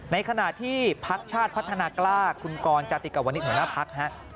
ในขณะที่พักชาติพัฒนากล้าคุณกรจาติกวณิตหัวหน้าพักฮะ